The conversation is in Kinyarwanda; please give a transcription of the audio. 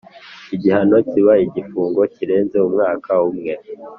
igihano kiba igifungo kirenze umwaka umwe